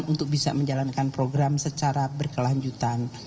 untuk bisa menjalankan program secara berkelanjutan